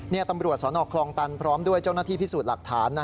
นี่ตำรวจสนคลองตันพร้อมด้วยเจ้าหน้าที่พิสูจน์หลักฐาน